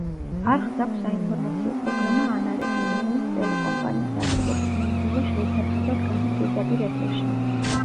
არხს აქვს საინფორმაციო პროგრამა „ანარეკლი“, რომელიც ტელეკომპანიის არსებობის მანძილზე შეუფერხებლად გადის პირდაპირ ეთერში.